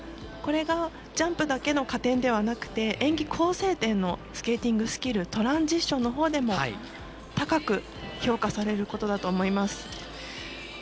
これがジャンプだけの加点ではなくて演技構成点のスケーティングスキルトランジションのほうでも高く評価されることだと思います。